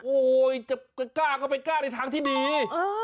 โอ้ยจะก็ไปกล้าในทางที่ดีเออ